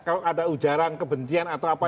kalau ada ujaran kebencian atau apa